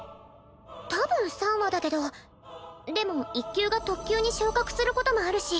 多分３羽だけどでも１級が特級に昇格することもあるし